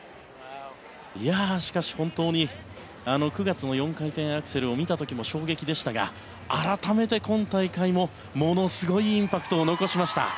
しかし本当に９月の４回転アクセルを見た時も衝撃でしたが、改めて今大会もものすごいインパクトを残しました。